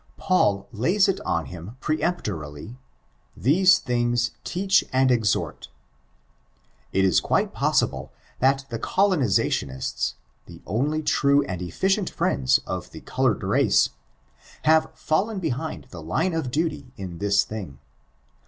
Paul lays it on him peremptorily. *' These things teach and exhort" It is quite possible, that the colonizationists, the only true and efficient friends of the colored race, have fallen behind the line of duty in this thing.